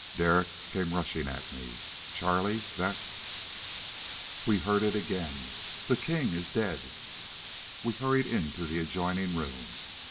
Derek came rushing at me. "Charlie, that " We heard it again. "The king is dead!" We hurried into the adjoining room.